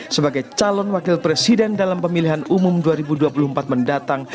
sebagai calon wakil presiden dalam pemilihan umum dua ribu dua puluh empat mendatang